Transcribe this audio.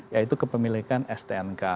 yaitu kepemilikan stnk